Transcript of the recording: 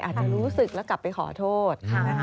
อาจจะรู้สึกแล้วกลับไปขอโทษนะคะ